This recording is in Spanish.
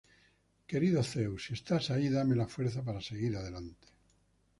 Querido Dios, si estás ahí, dame la fuerza para seguir adelante".